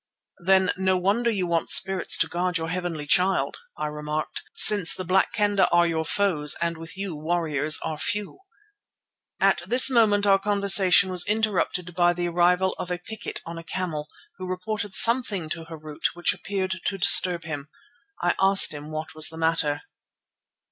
"Then no wonder you want spirits to guard your Heavenly Child," I remarked, "since the Black Kendah are your foes and with you warriors are few." At this moment our conversation was interrupted by the arrival of a picket on a camel, who reported something to Harût which appeared to disturb him. I asked him what was the matter.